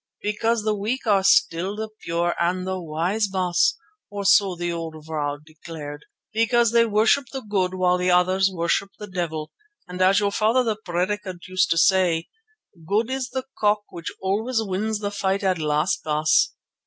"Because the weak are still the pure and the wise, Baas, or so the old vrouw declared. Because they worship the good while the others worship the devil, and as your father the Predikant used to say, Good is the cock which always wins the fight at the last, Baas.